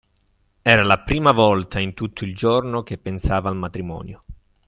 era la prima volta in tutto il giorno che pensava al matrimonio.